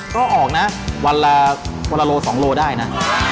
ก็ออกนะวันละโล๒โลได้นะ